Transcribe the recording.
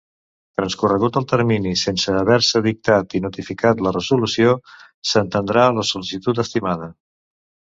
Transcorregut el termini sense haver-se dictat i notificat la resolució, s'entendrà la sol·licitud estimada.